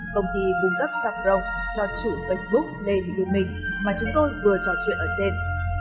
công ty bùng cấp sạc rồng cho chủ facebook lên với mình mà chúng tôi vừa trò chuyện ở trên